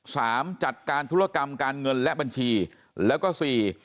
จัดการธุรกรรมการเงินและบัญชีแล้วก็สี่